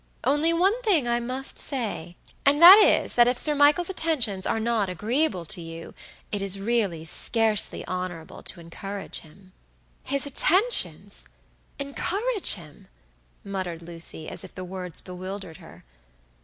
Only one thing I must say, and that is that if Sir Michael's attentions are not agreeable to you, it is really scarcely honorable to encourage him." "His attentionsencourage him!" muttered Lucy, as if the words bewildered her.